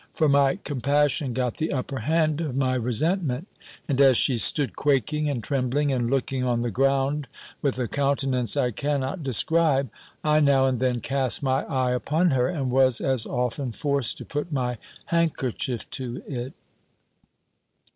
For my compassion got the upper hand of my resentment; and as she stood quaking and trembling, and looking on the ground with a countenance I cannot describe, I now and then cast my eye upon her, and was as often forced to put my handkerchief to it.